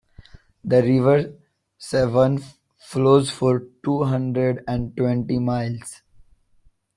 The river Severn flows for two hundred and twenty miles.